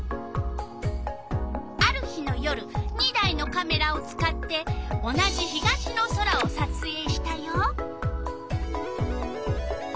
ある日の夜２台のカメラを使って同じ東の空をさつえいしたよ。